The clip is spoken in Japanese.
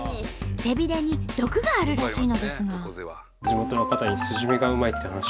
背びれに毒があるらしいのですが。